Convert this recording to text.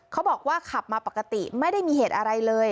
เขาบอกว่าขับมาปกติไม่ได้มีเหตุอะไรเลย